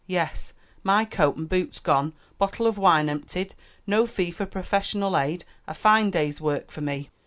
"Yes, my coat and boots gone, bottle of wine emptied, no fee for professional aid a fine day's work for me."